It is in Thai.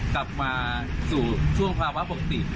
กลับมาสู่ช่วงภาวะปกติ